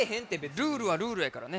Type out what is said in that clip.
ルールはルールやからね。